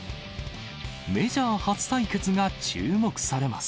メジャー初対決が注目されます。